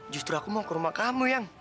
justru aku mau ke rumah kamu yang